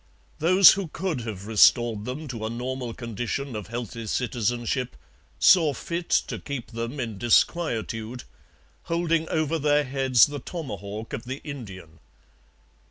Those who could have restored them to a normal condition of healthy citizenship saw fit to keep them in disquietude, holding over their heads the tomahawk of the Indian.